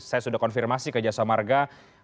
saya sudah konfirmasi ke jasa marga